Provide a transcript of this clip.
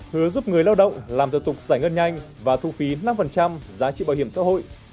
hứa giúp người lao động làm thờ tục giải ngân nhanh và thu phí năm giá trị bảo hiểm xã hội